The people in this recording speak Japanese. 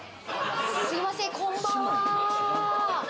すいません、こんばんは。